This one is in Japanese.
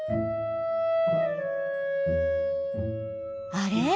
あれ？